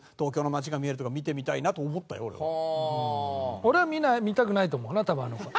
俺は見たくないと思うな多分あの子は。